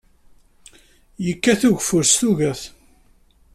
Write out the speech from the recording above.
Yekkat ugeffur s tuget.